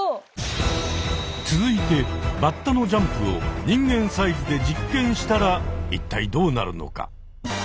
続いてバッタのジャンプを人間サイズで実験したらいったいどうなるのか？